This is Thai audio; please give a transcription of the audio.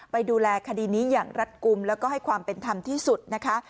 ไปดูแลคดีนี้อย่างรัฐกลุ่มแล้วก็ให้ความเป็นธรรมที่สุดนะคะ